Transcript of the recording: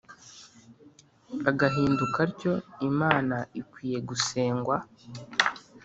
agahinduka atyo imana ikwiye gusengwa.